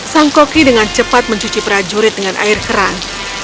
sang koki dengan cepat mencuci prajurit dengan air kerang